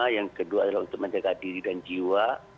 yang kedua adalah untuk menjaga diri dan jiwa